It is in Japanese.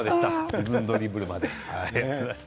自分ドリブルまで。